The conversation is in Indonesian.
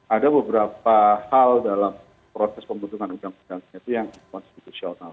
ada beberapa hal dalam proses pembentukan undang undangnya itu yang konstitusional